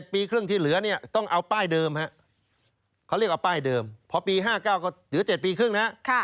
ปีครึ่งที่เหลือเนี่ยต้องเอาป้ายเดิมเขาเรียกว่าป้ายเดิมพอปี๕๙ก็เหลือ๗ปีครึ่งนะ